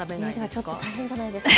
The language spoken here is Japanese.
ちょっと大変じゃないですか？